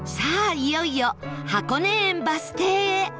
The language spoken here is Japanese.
いよいよ箱根園バス停へ